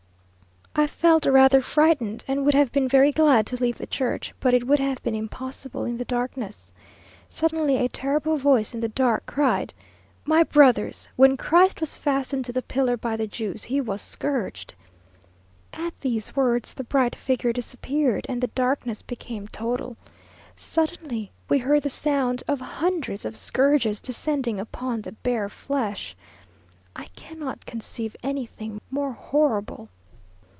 I felt rather frightened, and would have been very glad to leave the church, but it would have been impossible in the darkness. Suddenly, a terrible voice in the dark cried, "My brothers! when Christ was fastened to the pillar by the Jews, he was scourged!" At these words, the bright figure disappeared, and the darkness became total. Suddenly, we heard the sound of hundreds of scourges descending upon the bare flesh. I cannot conceive anything more horrible.